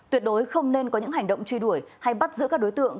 tuyệt đối không nên có những hành động truy đuổi hay bắt giữ các đối tượng